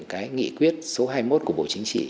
cái nghị quyết số hai mươi một của bộ chính trị